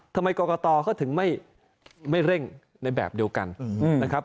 ทำไมกรกตเขาถึงไม่เร่งในแบบเดียวกันนะครับ